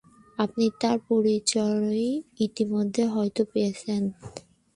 আপনি তার পরিচয় ইতোমধ্যেই হয়তো পেয়েছেন।